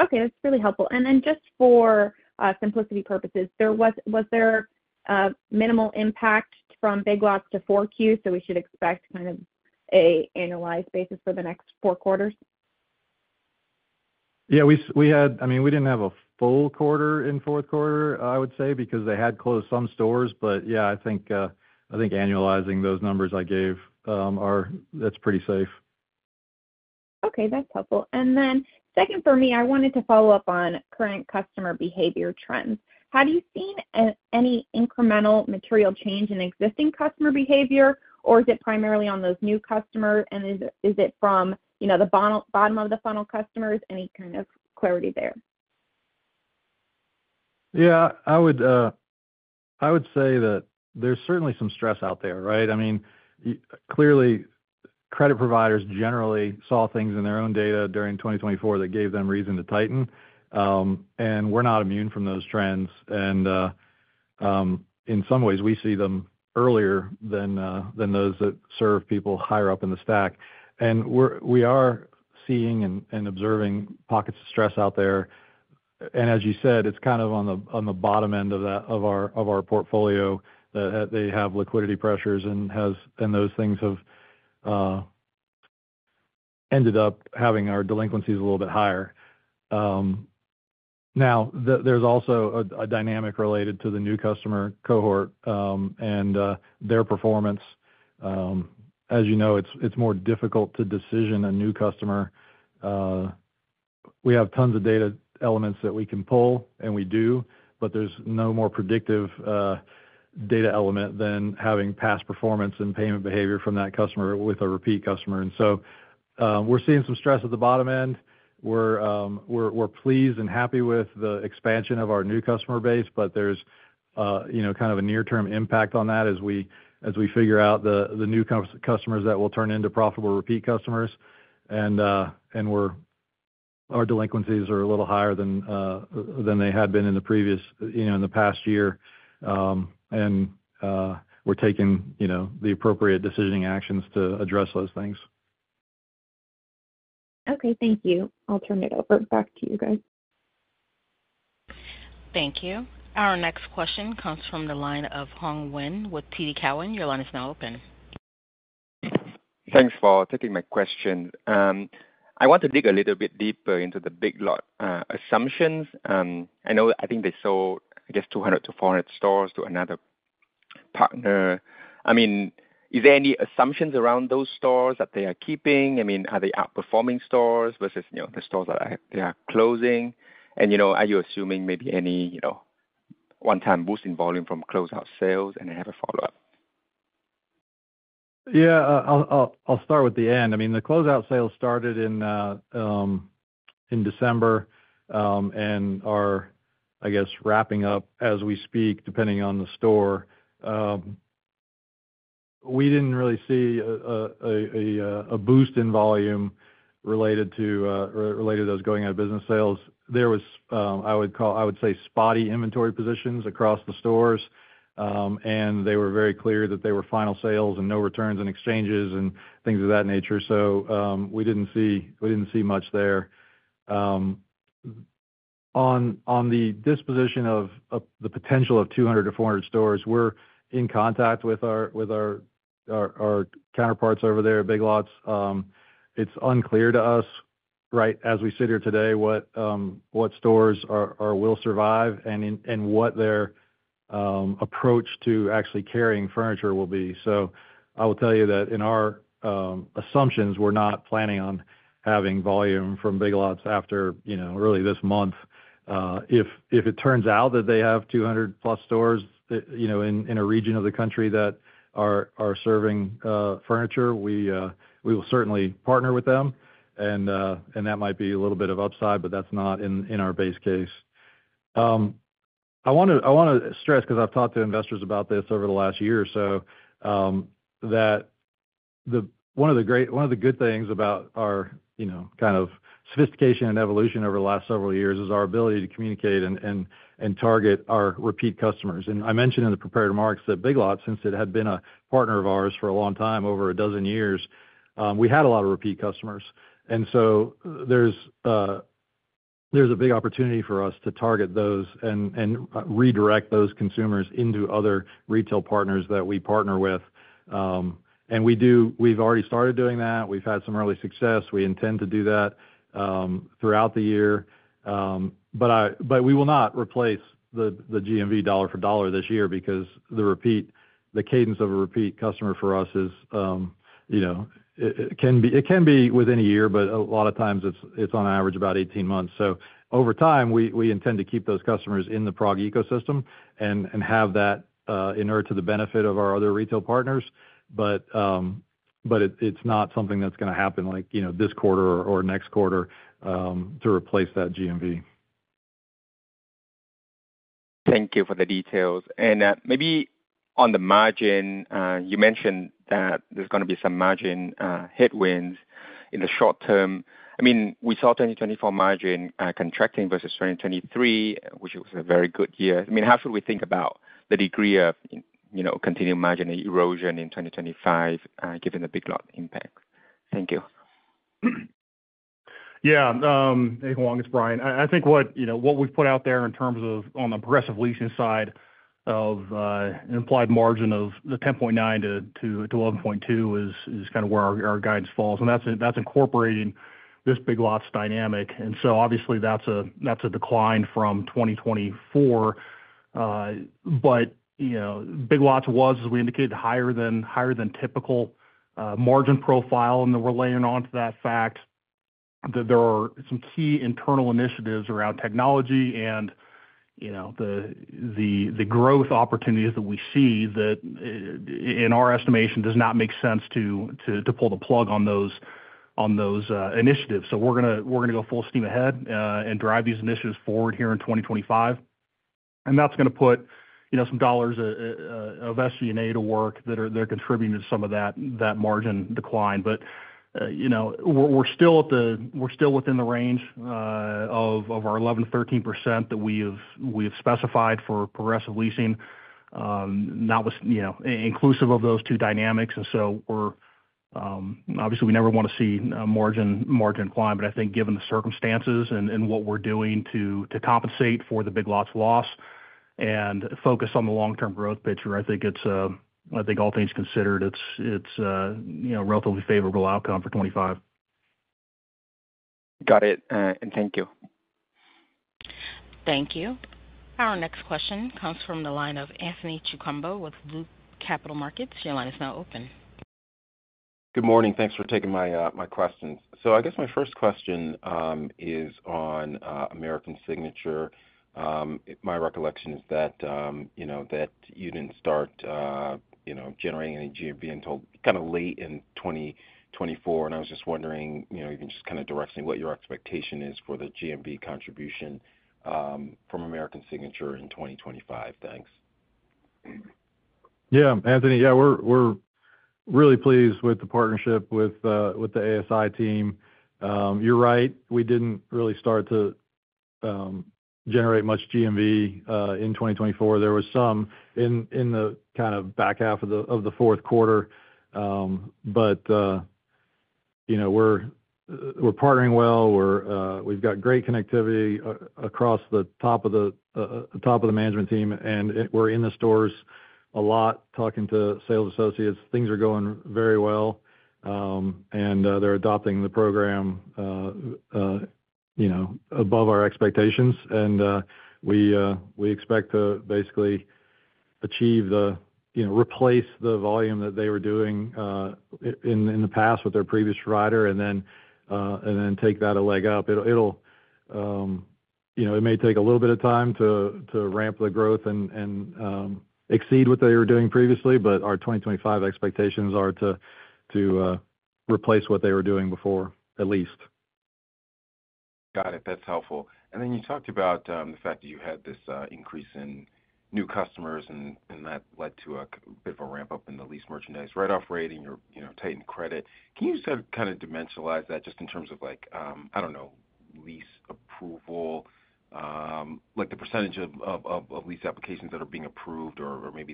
Okay. That's really helpful. And then just for simplicity purposes, was there minimal impact from Big Lots to 4Q? So we should expect kind of an annualized basis for the next four quarters? Yeah, I mean, we didn't have a full quarter in fourth quarter, I would say, because they had closed some stores. But yeah, I think annualizing those numbers I gave, that's pretty safe. Okay. That's helpful. And then second for me, I wanted to follow up on current customer behavior trends. Have you seen any incremental material change in existing customer behavior, or is it primarily on those new customers? And is it from the bottom of the funnel customers? Any kind of clarity there? Yeah, I would say that there's certainly some stress out there, right? I mean, clearly, credit providers generally saw things in their own data during 2024 that gave them reason to tighten. And we're not immune from those trends. And in some ways, we see them earlier than those that serve people higher up in the stack. And we are seeing and observing pockets of stress out there. And as you said, it's kind of on the bottom end of our portfolio that they have liquidity pressures and those things have ended up having our delinquencies a little bit higher. Now, there's also a dynamic related to the new customer cohort and their performance. As you know, it's more difficult to decision a new customer. We have tons of data elements that we can pull, and we do, but there's no more predictive data element than having past performance and payment behavior from that customer with a repeat customer. And so we're seeing some stress at the bottom end. We're pleased and happy with the expansion of our new customer base, but there's kind of a near-term impact on that as we figure out the new customers that will turn into profitable repeat customers. And our delinquencies are a little higher than they had been in the previous in the past year. And we're taking the appropriate decisioning actions to address those things. Okay. Thank you. I'll turn it over back to you guys. Thank you. Our next question comes from the line of Hoang Nguyen with TD Cowen. Your line is now open. Thanks for taking my question. I want to dig a little bit deeper into the Big Lots assumptions. I think they sold, I guess, 200-400 stores to another partner. I mean, is there any assumptions around those stores that they are keeping? I mean, are they outperforming stores versus the stores that they are closing? And are you assuming maybe any one-time boost in volume from closeout sales and have a follow-up? Yeah, I'll start with the end. I mean, the closeout sales started in December and are, I guess, wrapping up as we speak, depending on the store. We didn't really see a boost in volume related to those going out of business sales. There was, I would say, spotty inventory positions across the stores. And they were very clear that they were final sales and no returns and exchanges and things of that nature. We didn't see much there. On the disposition of the potential of 200 to 400 stores, we're in contact with our counterparts over there at Big Lots. It's unclear to us, right, as we sit here today, what stores will survive and what their approach to actually carrying furniture will be. I will tell you that in our assumptions, we're not planning on having volume from Big Lots after really this month. If it turns out that they have 200-plus stores in a region of the country that are serving furniture, we will certainly partner with them. That might be a little bit of upside, but that's not in our base case. I want to stress, because I've talked to investors about this over the last year, that one of the good things about our kind of sophistication and evolution over the last several years is our ability to communicate and target our repeat customers. I mentioned in the prepared remarks that Big Lots, since it had been a partner of ours for a long time, over a dozen years, we had a lot of repeat customers. So there's a big opportunity for us to target those and redirect those consumers into other retail partners that we partner with. We've already started doing that. We've had some early success. We intend to do that throughout the year. But we will not replace the GMV dollar for dollar this year because the cadence of a repeat customer for us is it can be within a year, but a lot of times it's on average about 18 months. So over time, we intend to keep those customers in the PROG ecosystem and have that in order to the benefit of our other retail partners. But it's not something that's going to happen this quarter or next quarter to replace that GMV. Thank you for the details. And maybe on the margin, you mentioned that there's going to be some margin headwinds in the short term. I mean, we saw 2024 margin contracting versus 2023, which was a very good year. I mean, how should we think about the degree of continued margin erosion in 2025 given the Big Lots impact? Thank you. Yeah, hey, Hong, it's Brian. I think what we've put out there in terms of on the Progressive Leasing side of an implied margin of 10.9%-11.2% is kind of where our guidance falls, and that's incorporating this Big Lots dynamic. And so obviously, that's a decline from 2024, but Big Lots was, as we indicated, higher than typical margin profile. And we're laying onto that fact that there are some key internal initiatives around technology and the growth opportunities that we see that, in our estimation, does not make sense to pull the plug on those initiatives, so we're going to go full steam ahead and drive these initiatives forward here in 2025. And that's going to put some dollars of SG&A to work that are contributing to some of that margin decline. But we're still within the range of our 11%-13% that we have specified for Progressive Leasing, inclusive of those two dynamics. And so obviously, we never want to see margin decline. But I think given the circumstances and what we're doing to compensate for the Big Lots loss and focus on the long-term growth picture, I think all things considered, it's a relatively favorable outcome for 2025. Got it. And thank you. Thank you. Our next question comes from the line of Anthony Chukumba with Loop Capital Markets. Your line is now open. Good morning. Thanks for taking my questions. So I guess my first question is on American Signature. My recollection is that you didn't start generating any GMV until kind of late in 2024. And I was just wondering if you can just kind of direct me what your expectation is for the GMV contribution from American Signature in 2025. Thanks. Yeah, Anthony, yeah, we're really pleased with the partnership with the ASI team. You're right. We didn't really start to generate much GMV in 2024. There was some in the kind of back half of the fourth quarter. But we're partnering well. We've got great connectivity across the top of the management team. And we're in the stores a lot talking to sales associates. Things are going very well. And they're adopting the program above our expectations. And we expect to basically replace the volume that they were doing in the past with their previous provider and then take that a leg up. It may take a little bit of time to ramp the growth and exceed what they were doing previously. But our 2025 expectations are to replace what they were doing before, at least. Got it. That's helpful. And then you talked about the fact that you had this increase in new customers and that led to a bit of a ramp-up in the lease merchandise write-off rate, tightened credit. Can you just kind of dimensionalize that just in terms of, I don't know, lease approval, the percentage of lease applications that are being approved or maybe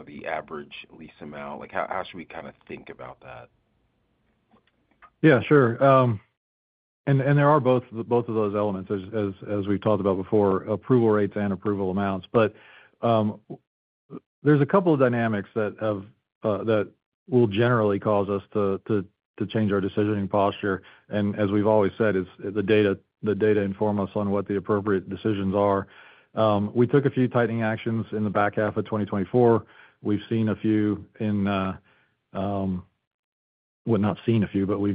the average lease amount? How should we kind of think about that? Yeah, sure. And there are both of those elements, as we've talked about before, approval rates and approval amounts. But there's a couple of dynamics that will generally cause us to change our decisioning posture. And as we've always said, the data inform us on what the appropriate decisions are. We took a few tightening actions in the back half of 2024. We've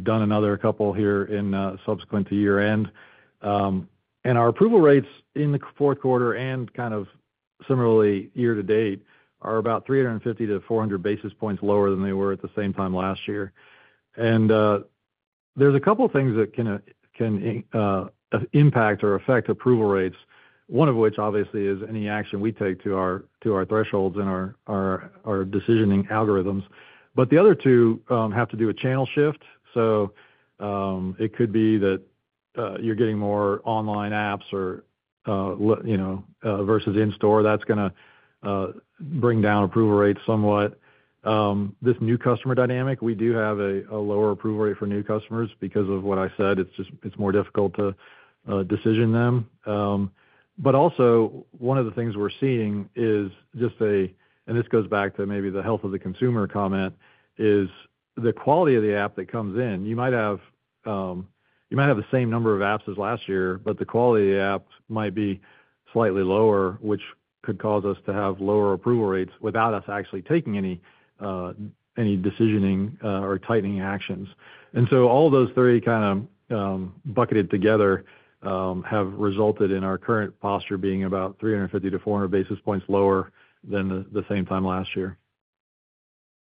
done another couple here subsequent to year-end, and our approval rates in the fourth quarter and kind of similarly year-to-date are about 350-400 basis points lower than they were at the same time last year, and there's a couple of things that can impact or affect approval rates, one of which, obviously, is any action we take to our thresholds and our decisioning algorithms, but the other two have to do with channel shift, so it could be that you're getting more online apps versus in-store. That's going to bring down approval rates somewhat. This new customer dynamic, we do have a lower approval rate for new customers because of what I said. It's more difficult to decision them. But also, one of the things we're seeing is just—and this goes back to maybe the health of the consumer comment—is the quality of the app that comes in. You might have the same number of apps as last year, but the quality of the app might be slightly lower, which could cause us to have lower approval rates without us actually taking any decisioning or tightening actions. And so all those three kind of bucketed together have resulted in our current posture being about 350-400 basis points lower than the same time last year.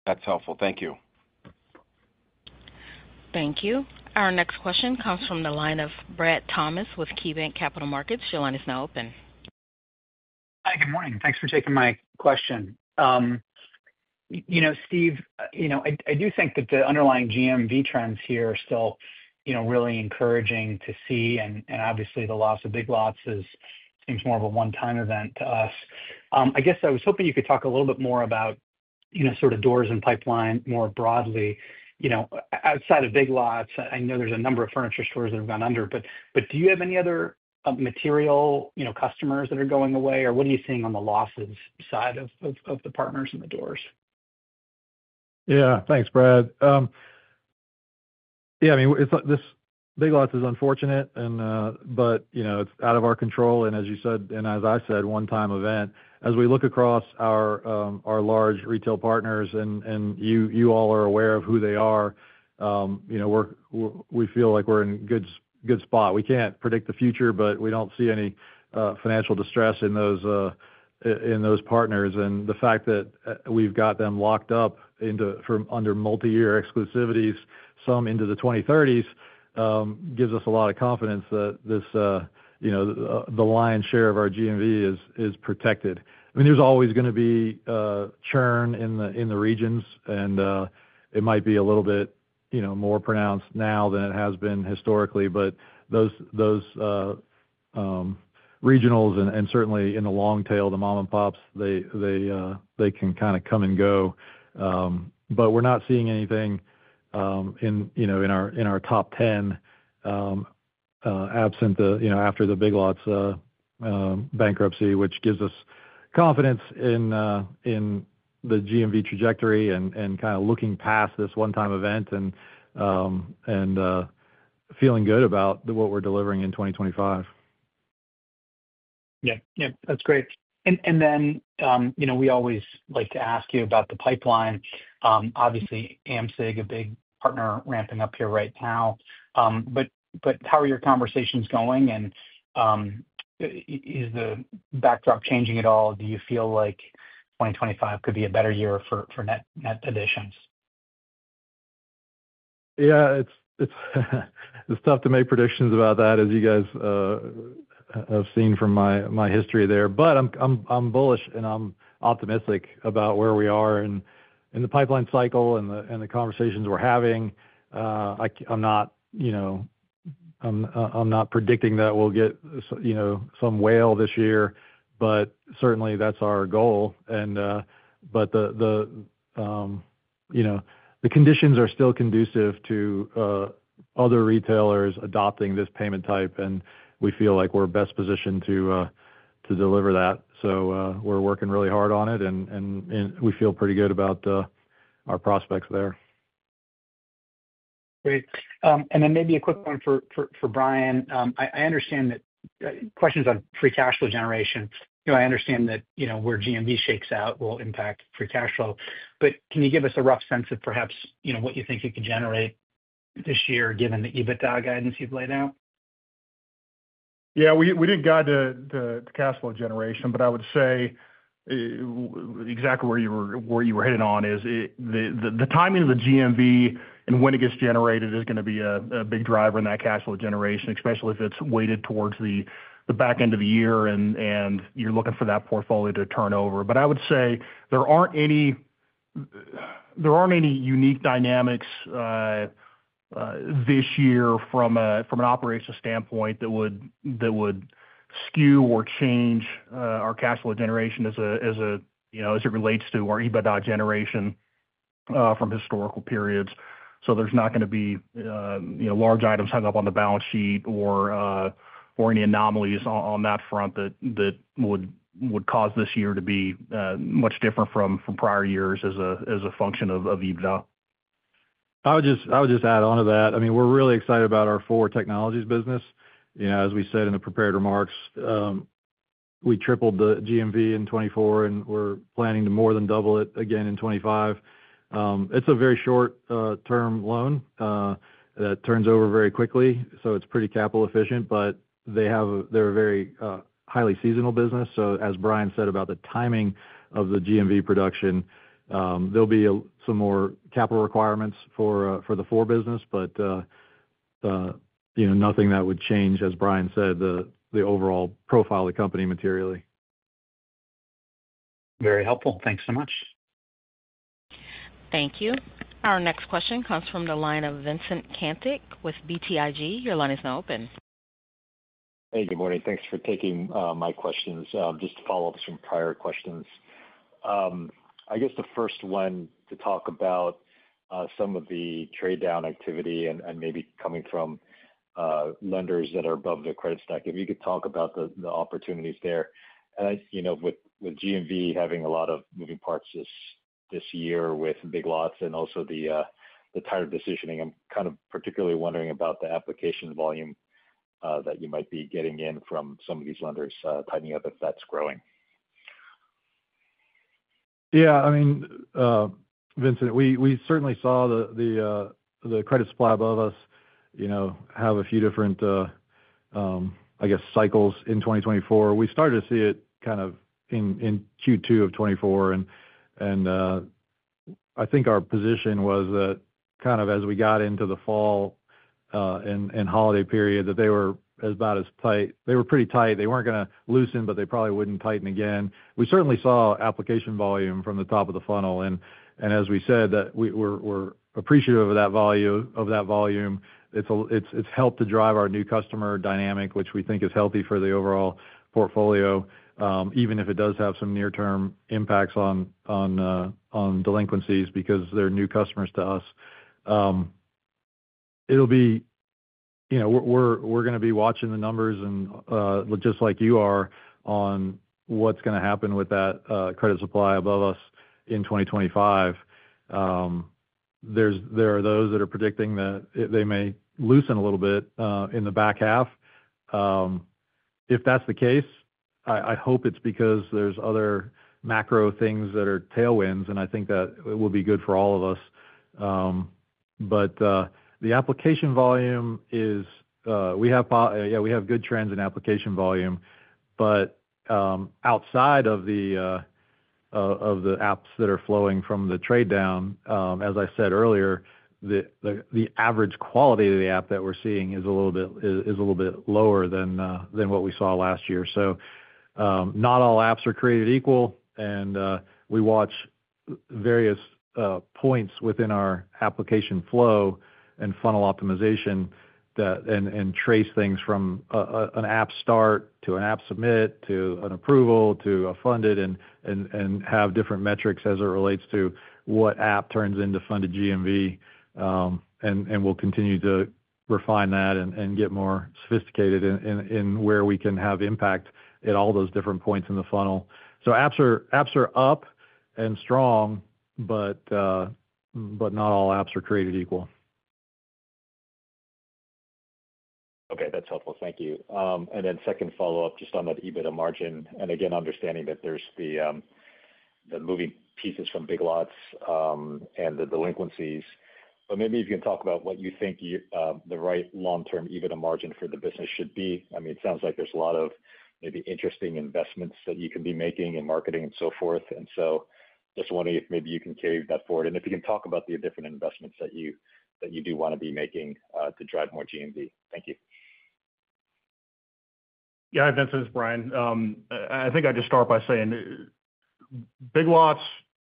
That's helpful. Thank you. Thank you. Our next question comes from the line of Brad Thomas with KeyBanc Capital Markets. Your line is now open. Hi, good morning. Thanks for taking my question. Steve, I do think that the underlying GMV trends here are still really encouraging to see. And obviously, the loss of Big Lots seems more of a one-time event to us. I guess I was hoping you could talk a little bit more about sort of doors and pipeline more broadly. Outside of Big Lots, I know there's a number of furniture stores that have gone under. But do you have any other material customers that are going away? Or what are you seeing on the losses side of the partners and the doors? Yeah, thanks, Brad. Yeah, I mean, Big Lots is unfortunate, but it's out of our control. And as you said, and as I said, one-time event. As we look across our large retail partners, and you all are aware of who they are, we feel like we're in a good spot. We can't predict the future, but we don't see any financial distress in those partners. The fact that we've got them locked up under multi-year exclusivities, some into the 2030s, gives us a lot of confidence that the lion's share of our GMV is protected. I mean, there's always going to be churn in the regions. It might be a little bit more pronounced now than it has been historically. But those regionals, and certainly in the long tail, the mom-and-pops, they can kind of come and go. But we're not seeing anything in our top 10 absent after the Big Lots bankruptcy, which gives us confidence in the GMV trajectory and kind of looking past this one-time event and feeling good about what we're delivering in 2025. Yeah. Yeah. That's great. Then we always like to ask you about the pipeline. Obviously, ASI, a big partner ramping up here right now. But how are your conversations going? And is the backdrop changing at all? Do you feel like 2025 could be a better year for net additions? Yeah. It's tough to make predictions about that, as you guys have seen from my history there. But I'm bullish, and I'm optimistic about where we are in the pipeline cycle and the conversations we're having. I'm not predicting that we'll get some whale this year. But certainly, that's our goal. But the conditions are still conducive to other retailers adopting this payment type. And we feel like we're best positioned to deliver that. So we're working really hard on it. And we feel pretty good about our prospects there. Great. And then maybe a quick one for Brian. I understand that questions on free cash flow generation. I understand that where GMV shakes out will impact free cash flow. But can you give us a rough sense of perhaps what you think you can generate this year given the EBITDA guidance you've laid out? Yeah. We didn't guide the cash flow generation. But I would say exactly where you were hitting on is the timing of the GMV and when it gets generated is going to be a big driver in that cash flow generation, especially if it's weighted towards the back end of the year and you're looking for that portfolio to turnover. But I would say there aren't any unique dynamics this year from an operation standpoint that would skew or change our cash flow generation as it relates to our EBITDA generation from historical periods. So there's not going to be large items hung up on the balance sheet or any anomalies on that front that would cause this year to be much different from prior years as a function of EBITDA. I would just add on to that. I mean, we're really excited about our Four Technologies business. As we said in the prepared remarks, we tripled the GMV in 2024, and we're planning to more than double it again in 2025. It's a very short-term loan that turns over very quickly. So it's pretty capital efficient. But they're a very highly seasonal business. So as Brian said about the timing of the GMV production, there'll be some more capital requirements for the Four business, but nothing that would change, as Brian said, the overall profile of the company materially. Very helpful. Thanks so much. Thank you. Our next question comes from the line of Vincent Caintic with BTIG. Your line is now open. Hey, good morning. Thanks for taking my questions. Just to follow up some prior questions. I guess the first one to talk about some of the trade-down activity and maybe coming from lenders that are above the credit stack, if you could talk about the opportunities there. And with GMV having a lot of moving parts this year with Big Lots and also the tighter decisioning, I'm kind of particularly wondering about the application volume that you might be getting in from some of these lenders tightening up if that's growing. Yeah. I mean, Vincent, we certainly saw the credit supply above us have a few different, I guess, cycles in 2024. We started to see it kind of in Q2 of 2024. I think our position was that kind of as we got into the fall and holiday period, that they were about as tight. They were pretty tight. They weren't going to loosen, but they probably wouldn't tighten again. We certainly saw application volume from the top of the funnel. And as we said, we're appreciative of that volume. It's helped to drive our new customer dynamic, which we think is healthy for the overall portfolio, even if it does have some near-term impacts on delinquencies because they're new customers to us. We're going to be watching the numbers and just like you are on what's going to happen with that credit supply above us in 2025. There are those that are predicting that they may loosen a little bit in the back half. If that's the case, I hope it's because there's other macro things that are tailwinds, and I think that it will be good for all of us. The application volume is, yeah, we have good trends in application volume. Outside of the apps that are flowing from the trade-down, as I said earlier, the average quality of the app that we're seeing is a little bit lower than what we saw last year. Not all apps are created equal. We watch various points within our application flow and funnel optimization and trace things from an app start to an app submit to an approval to a funded and have different metrics as it relates to what app turns into funded GMV. We'll continue to refine that and get more sophisticated in where we can have impact at all those different points in the funnel. So apps are up and strong, but not all apps are created equal. Okay. That's helpful. Thank you. And then second follow-up just on that EBITDA margin. And again, understanding that there's the moving parts from Big Lots and the delinquencies. But maybe if you can talk about what you think the right long-term EBITDA margin for the business should be. I mean, it sounds like there's a lot of maybe interesting investments that you can be making and marketing and so forth. And so just wondering if maybe you can carry that forward. And if you can talk about the different investments that you do want to be making to drive more GMV. Thank you. Yeah. Vincent, it's Brian. I think I just start by saying Big Lots,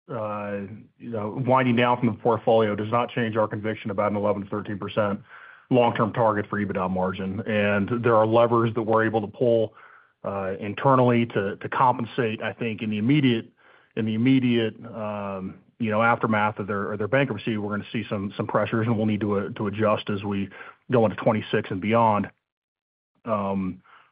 winding down from the portfolio does not change our conviction about an 11%-13% long-term target for EBITDA margin. And there are levers that we're able to pull internally to compensate. I think in the immediate aftermath of their bankruptcy, we're going to see some pressures, and we'll need to adjust as we go into 2026 and beyond.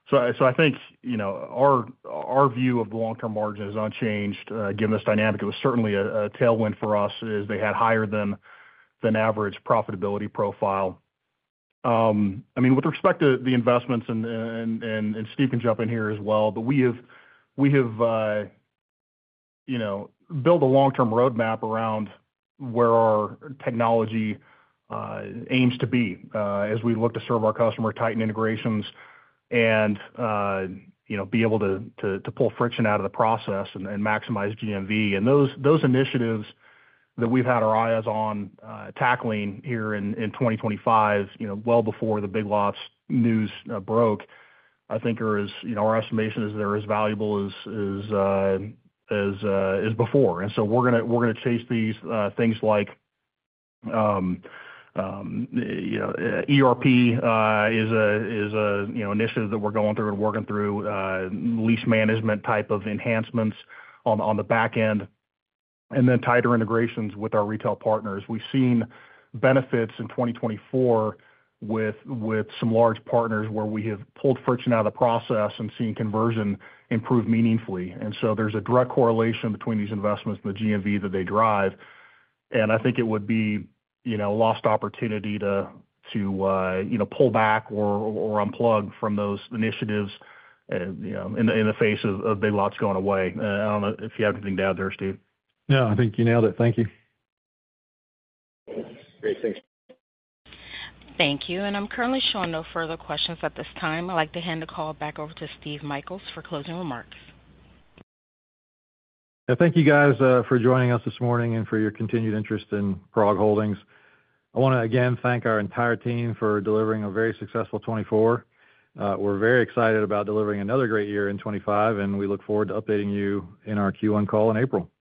So I think our view of the long-term margin is unchanged given this dynamic. It was certainly a tailwind for us as they had a higher-than-average profitability profile. I mean, with respect to the investments, and Steve can jump in here as well, but we have built a long-term roadmap around where our technology aims to be as we look to serve our customer, tighten integrations, and be able to pull friction out of the process and maximize GMV. And those initiatives that we've had our eyes on tackling here in 2025, well before the Big Lots news broke, I think our estimation is they're as valuable as before. And so we're going to chase these things like ERP is an initiative that we're going through and working through, lease management type of enhancements on the back end, and then tighter integrations with our retail partners. We've seen benefits in 2024 with some large partners where we have pulled friction out of the process and seen conversion improve meaningfully. And so there's a direct correlation between these investments and the GMV that they drive. And I think it would be a lost opportunity to pull back or unplug from those initiatives in the face of Big Lots going away. I don't know if you have anything to add there, Steve. No. I think you nailed it. Thank you. Great. Thanks. Thank you. And I'm currently showing no further questions at this time. I'd like to hand the call back over to Steve Michaels for closing remarks. Thank you, guys, for joining us this morning and for your continued interest in PROG Holdings. I want to again thank our entire team for delivering a very successful 2024. We're very excited about delivering another great year in 2025, and we look forward to updating you in our Q1 call in April.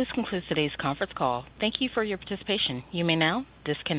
This concludes today's conference call. Thank you for your participation. You may now disconnect.